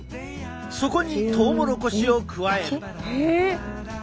そこにトウモロコシを加える。